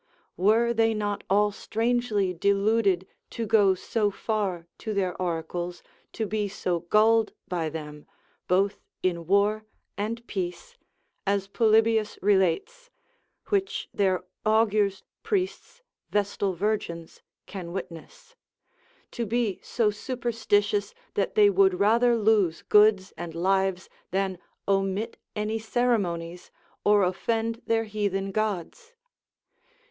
Were they not all strangely deluded to go so far to their oracles, to be so gulled by them, both in war and peace, as Polybius relates (which their argurs, priests, vestal virgins can witness), to be so superstitious, that they would rather lose goods and lives than omit any ceremonies, or offend their heathen gods?